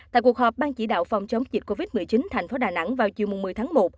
tại cuộc họp ban chỉ đạo phòng chống dịch covid một mươi chín thành phố đà nẵng vào chiều một mươi tháng một